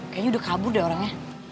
kayaknya udah kabur deh orangnya